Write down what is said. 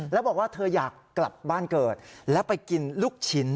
แล้วบอกว่าเธออยากกลับบ้านเกิดแล้วไปกินลูกชิ้น